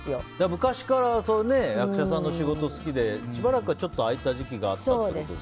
昔から役者さんの仕事好きでしばらくはちょっと空いた時期があったってことですか。